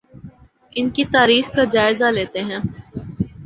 ان کی تاریخ کا جائزہ لیتے ہیں